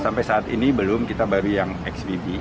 sampai saat ini belum kita baru yang xbb